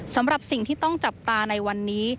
สำหรับสิ่งที่ต้องจับตาในวันนี้